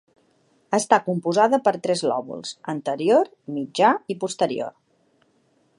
Està composada per tres lòbuls: anterior, mitjà i posterior.